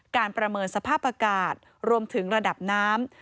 ประเมินสภาพอากาศรวมถึงระดับน้ำ